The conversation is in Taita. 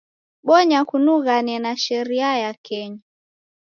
Bonya kunughana na sheria ya Kenya.